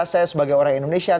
saya sebagai orang indonesia